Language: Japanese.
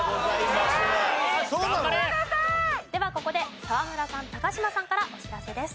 ではここで沢村さん嶋さんからお知らせです。